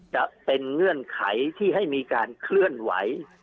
จะเป็นเงื่อนไขที่ให้มีการเคลื่อนไหว